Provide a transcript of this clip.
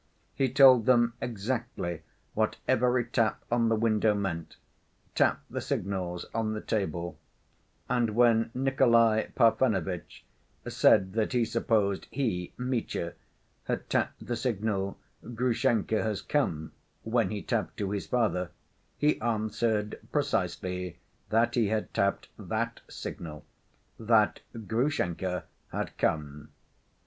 He told them exactly what every tap on the window meant, tapped the signals on the table, and when Nikolay Parfenovitch said that he supposed he, Mitya, had tapped the signal "Grushenka has come," when he tapped to his father, he answered precisely that he had tapped that signal, that "Grushenka had come."